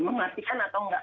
mengertikan atau enggak